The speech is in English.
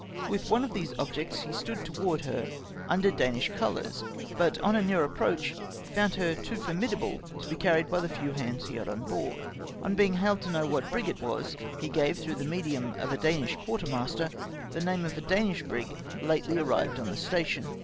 "With one of these objects he stood towards her under Danish colours, but, on a near approach, found her too for midable to be carried by the few hands he had on board. On being hailed to know what brig it was, he gave, through the medium of a Danish quartermaster, the name of a Danish brig lately arrived on the station.